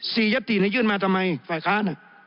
สยยยื่นมาทำไมฝ่ายค้า